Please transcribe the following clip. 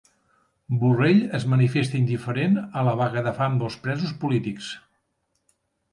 Borrell es manifesta indiferent a la vaga de fam dels presos polítics